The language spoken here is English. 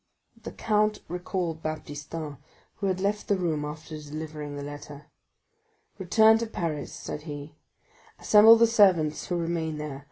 The count recalled Baptistin, who had left the room after delivering the letter. "Return to Paris," said he; "assemble the servants who remain there.